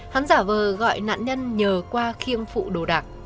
hắn giả vờ gọi nạn nhân nhờ khoa khiêng phụ đồ đạc